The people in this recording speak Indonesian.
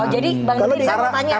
jadi bang dirika